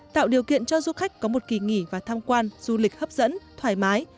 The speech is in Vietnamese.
tạo điều kiện cho du khách có một kỳ nghỉ và tham quan du lịch hấp dẫn thoải mái